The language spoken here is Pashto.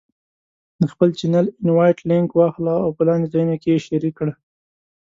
د خپل چینل Invite Link واخله او په لاندې ځایونو کې یې شریک کړه: